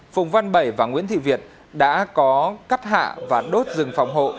phùng văn bảy và nguyễn thị việt đã có cắt hạ và đốt rừng phòng hộ